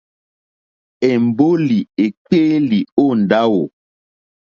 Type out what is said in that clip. Èmbólì èkpéélì ó ndáwò.